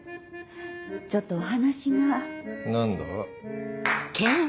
ちょっとお話が。何だ？